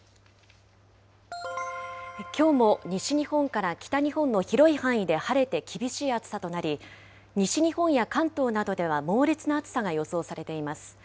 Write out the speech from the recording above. きょうも西日本から北日本の広い範囲で晴れて厳しい暑さとなり、西日本や関東などでは猛烈な暑さが予想されています。